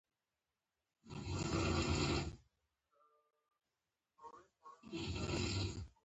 دا د ملي منافعو سره معامله ګڼل کېږي.